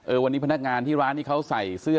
เออวันนี้พนักงานในร้านนี้เขาใส่เสื้อ